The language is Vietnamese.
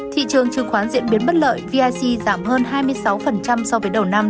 thị trường chứng khoán diễn biến bất lợi vic giảm hơn hai mươi sáu so với đầu năm